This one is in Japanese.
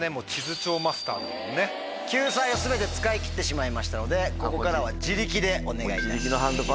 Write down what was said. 救済を全て使い切ってしまいましたのでここからは自力でお願いします。